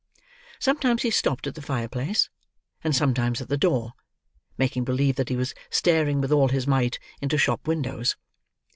Sometimes he stopped at the fire place, and sometimes at the door, making believe that he was staring with all his might into shop windows.